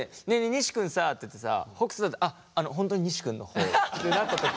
西君さ」って言ってさ北斗じゃなくて「あっ本当の西君の方」ってなった時。